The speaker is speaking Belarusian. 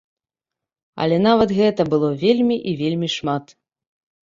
Але нават гэта было вельмі і вельмі шмат.